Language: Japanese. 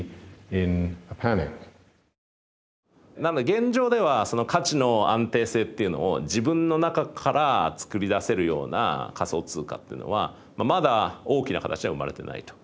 現状では価値の安定性っていうのを自分の中から作り出せるような仮想通貨というのはまだ大きな形は生まれてないと。